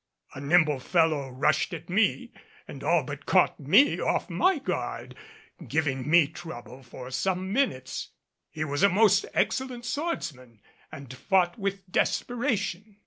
A nimble fellow rushed at me and all but caught me off my guard, giving me trouble for some minutes. He was a most excellent swordsman and fought with desperation.